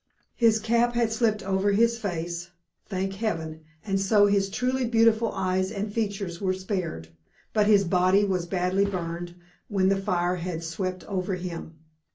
"His cap had slipped over his face, thank heaven, and so his truly beautiful eyes and features were spared, but his body was badly burned when the fire had swept over him.